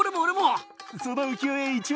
その浮世絵１枚下さい。